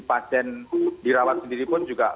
pasien dirawat sendiri pun juga